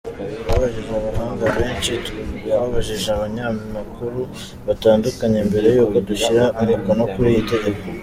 Twabajije abahanga benshi, twabajije abanyamakuru batandukanye mbere y’uko dushyira umukono kuri iri tegeko.